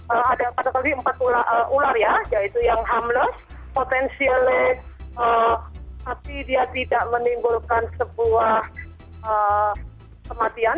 ada kategori empat ular ya yaitu yang ambles potensialis tapi dia tidak menimbulkan sebuah kematian